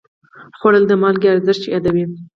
خوړل د مالګې ارزښت یادوي